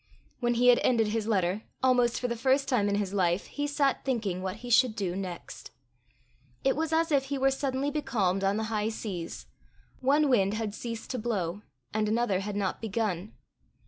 When he had ended his letter, almost for the first time in his life, he sat thinking what he should do next. It was as if he were suddenly becalmed on the high seas; one wind had ceased to blow, and another had not begun.